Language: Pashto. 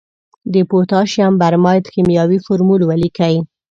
د پوتاشیم برماید کیمیاوي فورمول ولیکئ.